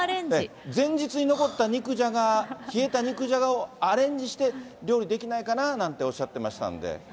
前日に残った肉じゃが、冷えた肉じゃがをアレンジして料理できないかななんておっしゃっていましたんで。